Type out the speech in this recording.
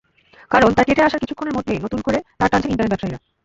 কারণ, তার কেটে আসার কিছুক্ষণের মধ্যেই নতুন করে তার টানছেন ইন্টারনেট ব্যবসায়ীরা।